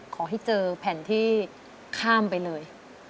ขอให้เจอแผ่นที่ข้ามไปเลย